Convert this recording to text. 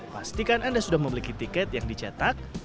pastikan anda sudah memiliki tiket yang dicetak